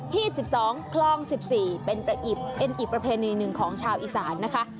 พี่สิบสองคลองสิบสี่เป็นประอิบเป็นอิประเพณีหนึ่งของชาวอิสานนะคะ